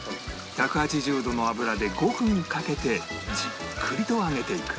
１８０度の油で５分かけてじっくりと揚げていく